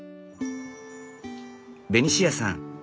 ベニシアさん